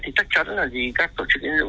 thì chắc chắn là vì các tổ chức tín dụng